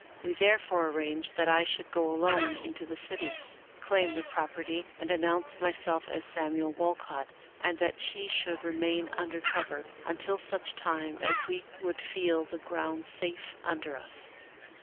We therefore arranged that I should go alone into the city, claim the property, and announce my self as Samuel Walcott, and that she should remain under cover until such time as we would feel the ground safe un der us.